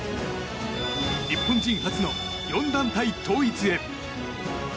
日本人初の４団体統一へ。